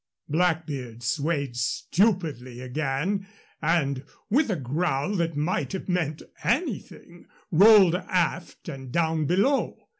Blackbeard swayed stupidly again, and, with a growl that might have meant anything, rolled aft and down below.